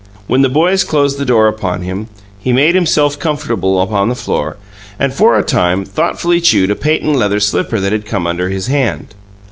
When the boys closed the door upon him, he made himself comfortable upon the floor and, for a time, thoughtfully chewed a patent leather slipper that had come under his hand.